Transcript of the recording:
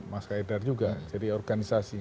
mas kaidar juga jadi organisasi